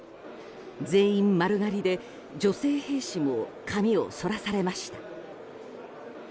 全員丸刈りで、女性兵士も髪をそらされました。